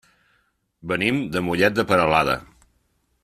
Venim de Mollet de Peralada.